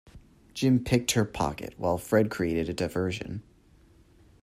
Jim picked her pocket while Fred created a diversion